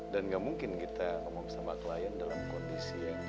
dan gak mungkin kita ngomong sama klien dalam hal yang benar benar baik